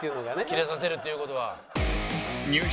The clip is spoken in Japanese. キレさせるっていう事が。